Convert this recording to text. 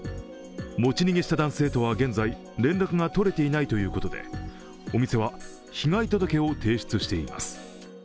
持ち逃げした男性とは現在、連絡がとれていないということでお店は、被害届を提出しています。